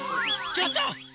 ちょっと！